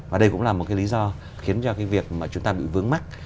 và đây cũng là một cái lý do khiến cho cái việc mà chúng ta bị vướng mắt